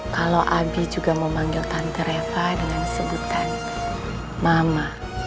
kalau abi juga memanggil tante reva dengan sebutan mama